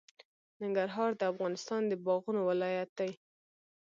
ننګرهار د افغانستان د باغونو ولایت دی.